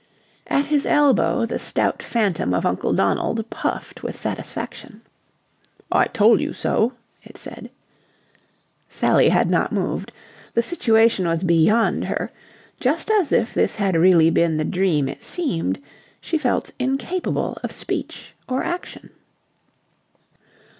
At his elbow the stout phantom of Uncle Donald puffed with satisfaction. "I told you so!" it said. Sally had not moved. The situation was beyond her. Just as if this had really been the dream it seemed, she felt incapable of speech or action.